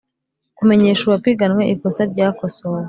kumenyesha uwapiganwe ikosa ryakosowe